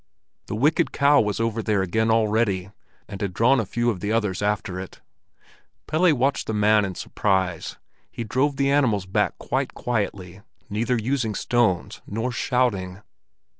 The wicked cow was over there again already, and had drawn a few of the others after it. Pelle watched the man in surprise; he drove the animals back quite quietly, neither using stones nor shouting.